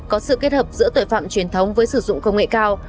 có sự kết hợp giữa tội phạm truyền thống với sử dụng công nghệ cao